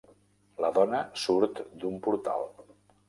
La dona surt d"un portal.